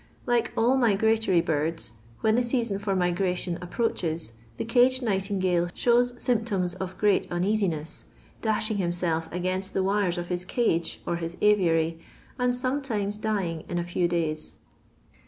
Like all migratory birds, when the season for mignition np|»roaches, the caged nightingale shows symptoms of great un easiness, dashing himself against the wires of his cage or his aviary, and sometimes dying in a few days.